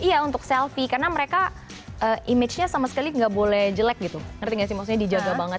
iya untuk selfie karena mereka image nya sama sekali nggak boleh jelek gitu ngerti gak sih maksudnya dijaga banget